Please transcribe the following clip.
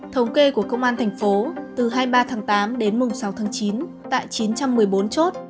thống kê của công an tp hcm từ hai mươi ba tháng tám đến sáu tháng chín tại chín trăm một mươi bốn chốt